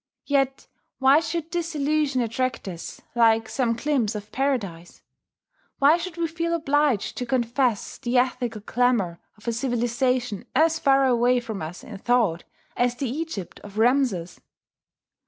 Yet why should this illusion attract us, like some glimpse of Paradise? why should we feel obliged to confess the ethical glamour of a civilization as far away from us in thought as the Egypt of Ramses?